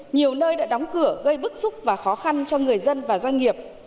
nhiều nơi đã đóng cửa gây bức xúc và khó khăn cho người dân và doanh nghiệp